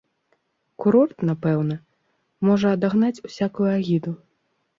Курорт, напэўна, можа адагнаць усякую агіду.